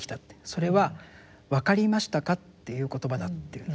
それは「わかりましたか？」っていう言葉だって言うんですよ。